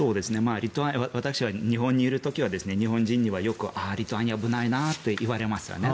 私は日本にいる時は日本人にはよくリトアニア、危ないなって言われますね。